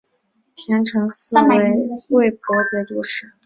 田承嗣为魏博节度使。